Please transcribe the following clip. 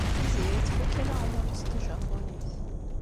Tiziri tfuk alaɣmu-nnes n tjapunit.